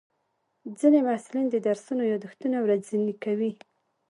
ځینې محصلین د درسونو یادښتونه ورځني کوي.